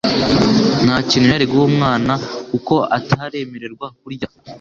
Ntakintu yari guha umwana kuko ataremererwa kurya .